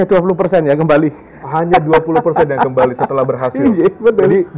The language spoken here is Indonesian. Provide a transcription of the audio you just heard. ada gak sih pak caleg yang sudah berhasil menang